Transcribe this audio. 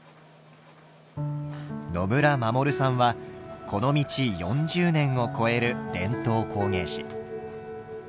野村守さんはこの道４０年を超える伝統工芸士。